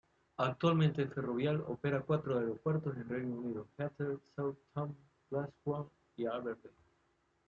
Actualmente, Ferrovial opera cuatro aeropuertos en Reino Unido: Heathrow, Southampton, Glasgow y Aberdeen.